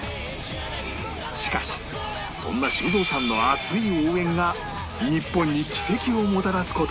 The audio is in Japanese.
しかしそんな修造さんの熱い応援が日本に奇跡をもたらす事も